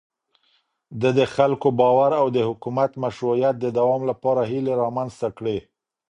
ده د خلکو باور او د حکومت مشروعيت د دوام لپاره هيلې رامنځته کړې.